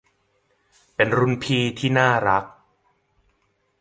เป็นรุ่นพี่ที่น่ารัก